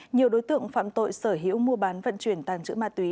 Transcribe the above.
nhiều đối tượng phạm tội sở hữu mua bán vận chuyển tàn trữ ma túy